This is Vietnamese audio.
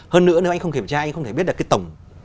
hơn nữa nếu anh không kiểm tra anh không thể biết được cái tổng